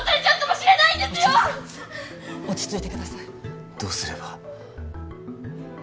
未知留さん落ち着いてくださいどうすれば？